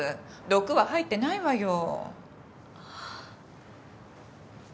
毒は入ってないわよ。